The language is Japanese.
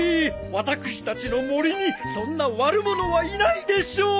私たちの森にそんな悪者はいないでしょう！